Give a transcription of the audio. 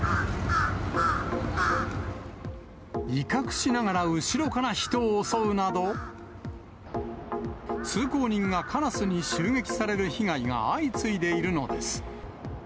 威嚇しながら、後ろから人を襲うなど、通行人がカラスに襲撃される被害が相次いでいるのです。